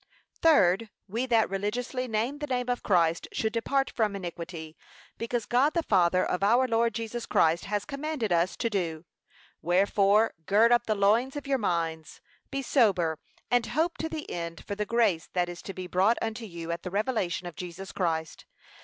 Third, We that religiously name the name of Christ, should depart from iniquity, because God the Father of our Lord Jesus Christ has commanded us to do. Wherefore gird up the loins of your minds, be sober, and hope to the ene for the grace that is to be brought unto you at the revelation of Jesus Christ.